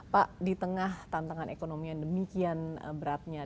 pak di tengah tantangan ekonomi yang demikian beratnya